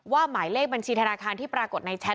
หมายเลขบัญชีธนาคารที่ปรากฏในแชท